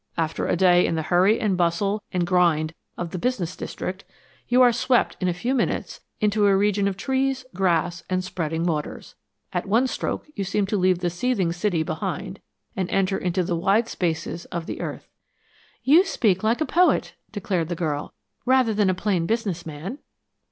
"After a day in the hurry and bustle and grind of the business district, you are swept in a few minutes into a region of trees, grass and spreading waters. At one stroke you seem to leave the seething city behind and enter into the wide spaces of the earth." "You speak like a poet," declared the girl, "rather than a plain business man."